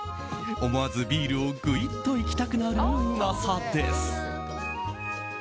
思わずビールをぐいっといきたくなるうまさです。